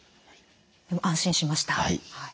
でも安心しました。